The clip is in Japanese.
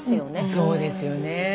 そうですよね。